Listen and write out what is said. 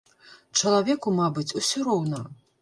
Чалавеку, мабыць, усё роўна.